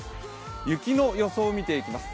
雪の予想を見ていきます。